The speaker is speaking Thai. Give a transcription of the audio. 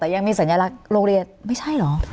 แต่ยังมีสัญลักษณ์โรงเรียนไม่ใช่เหรอ